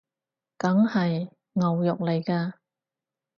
梗係！牛肉來㗎！